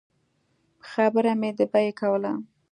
خبره مې د بیې کوله.